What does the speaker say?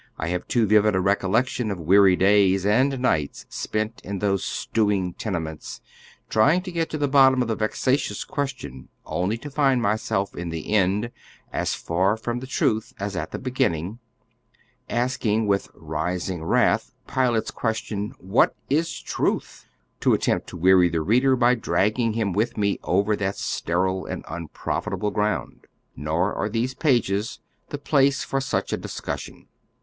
I have too vivid a recollection of weary days and nights spent in those stewing tenements, trying to get to the bottom of the vex ations question only to find myself in the end as far from the truth as at the beginning, asking with rising wrath Pilate's question, " What is truth ?" to attempt to weary the reader by dragging him with me over that sterile and nnprofitable ground. Nor ai e these pages the place for such a discussion.